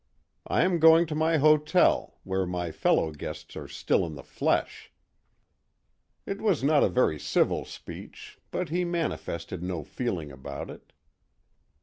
I am going to my hotel, where my fellow guests are still in the flesh." It was not a very civil speech, but he manifested no feeling about it.